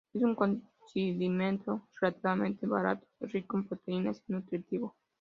Es un condimento relativamente barato, rico en proteínas y nutritivo.